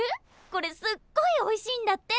これすっごいおいしいんだって！